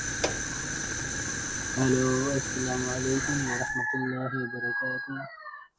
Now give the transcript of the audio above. The proceedings are marred by another unfortunate senior related driving incident.